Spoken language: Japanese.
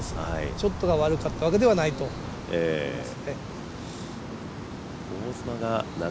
ショットが悪かったわけではないです。